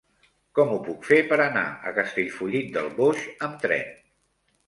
Com ho puc fer per anar a Castellfollit del Boix amb tren?